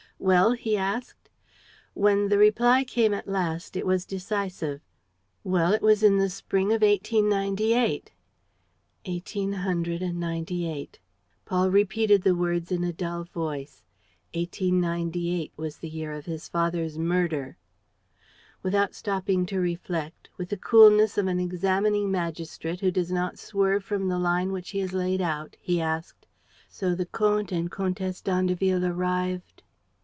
"Well?" he asked. When the reply came at last it was decisive: "Well, it was in the spring of 1898." "Eighteen hundred and ninety eight!" Paul repeated the words in a dull voice: 1898 was the year of his father's murder! Without stopping to reflect, with the coolness of an examining magistrate who does not swerve from the line which he has laid out, he asked: "So the Comte and Comtesse d'Andeville arrived